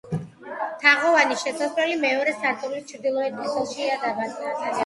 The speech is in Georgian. თაღოვანი შესასვლელი მეორე სართულის ჩრდილოეთ კედელშია დატანებული.